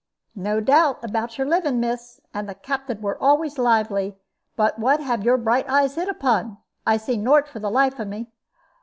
"No doubt about your living, miss. And the Captain were always lively. But what have your bright eyes hit upon? I see nort for the life of me."